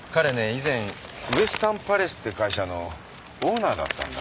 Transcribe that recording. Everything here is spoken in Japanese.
以前ウエスタンパレスって会社のオーナーだったんだ。